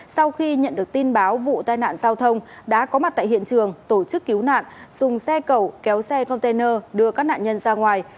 sau khi nhận được tin báo vụ tai nạn giao thông đã có mặt tại hiện trường tổ chức cứu nạn dùng xe cầu kéo xe container đưa các nạn nhân ra ngoài